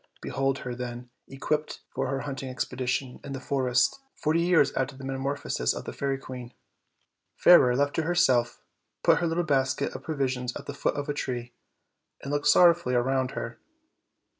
Behold her, then, equipped for her hunt ing expedition in the forest, forty years after the meta morphosis of the fairy queen. Fairer, left to herself, put her little basket of provi sions at the foot of a tree, and looked sorrowfully around her.